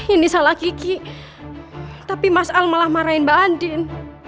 ini salah kiki tapi mas al malah marahin mbak anjin